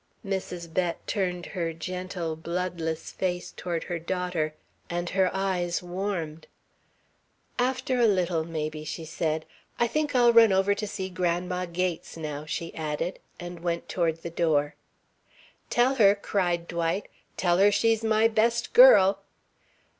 Mrs. Bett turned her gentle, bloodless face toward her daughter, and her eyes warmed. "After a little, maybe," she said. "I think I'll run over to see Grandma Gates now," she added, and went toward the door. "Tell her," cried Dwight, "tell her she's my best girl."